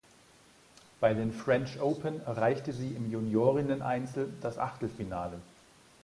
Bei den French Open erreichte sie im Juniorinneneinzel das Achtelfinale.